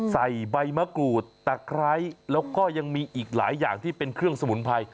ใส่ใบมะกรูดตะไคร้แล้วก็ยังมีอีกหลายอย่างที่เป็นเครื่องสมุนไพร